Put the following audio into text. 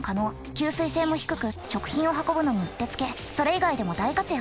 吸水性も低く食品を運ぶのにうってつけそれ以外でも大活躍。